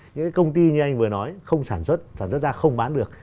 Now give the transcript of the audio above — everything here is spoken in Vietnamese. những cái công ty như anh vừa nói không sản xuất sản xuất ra không bán được